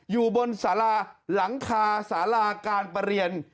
อยู่บนสาราหลังคาสาราการประเรียน